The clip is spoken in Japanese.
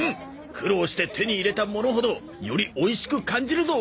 苦労して手に入れた物ほどよりおいしく感じるぞ！